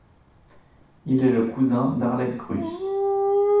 Il est le cousin d'Arlette Gruss.